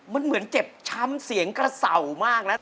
มันเหมือนเจ็บช้ำเสียงกระเสามากนะ